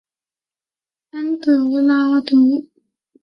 安德拉德上尉镇是巴西米纳斯吉拉斯州的一个市镇。